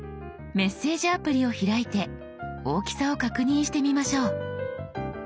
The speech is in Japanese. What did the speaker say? メッセージアプリを開いて大きさを確認してみましょう。